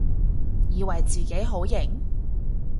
以為自己好型？